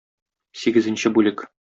Сигезенче бүлек.